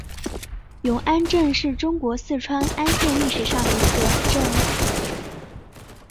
永安镇是中国四川安县历史上的一个镇。